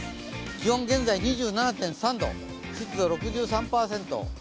気温現在２７．３度、湿度６３％